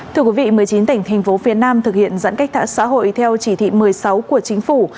thưa quý vị một mươi chín tỉnh thành phố phía nam thực hiện giãn cách xã hội theo chỉ thị một mươi sáu của chính phủ